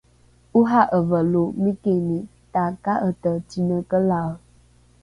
ora’eve lo mikini taka’ete cinekelae